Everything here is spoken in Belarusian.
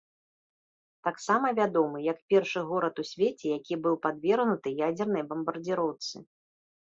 Таксама вядомы як першы горад у свеце, які быў падвергнуты ядзернай бамбардзіроўцы.